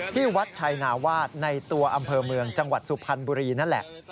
ที่วัดชัยนาวาสในตัวอำเภอเมืองจังหวัดสุพรรณบุรีนั่นแหละ